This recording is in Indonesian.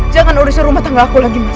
jangan udah serumat tangga aku lagi mas